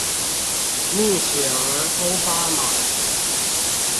蜜雪兒歐巴馬